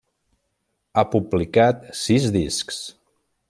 Ha publicat sis discs.